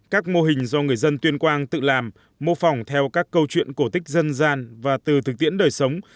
các mô hình do người dân tuyên quang tự làm mô phỏng theo các câu chuyện cổ tích dân gian và từ thực tiễn đời sống